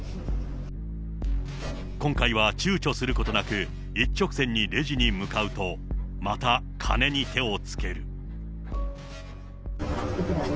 今回はちゅうちょすることなく一直線にレジに向かうと、いくらある？